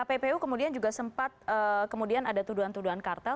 kppu kemudian juga sempat kemudian ada tuduhan tuduhan kartel